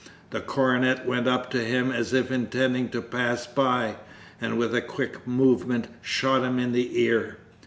The cornet went up to him as if intending to pass by, and with a quick movement shot him in the ear.